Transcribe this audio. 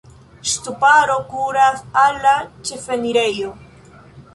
Ŝtuparo kuras al la ĉefenirejo.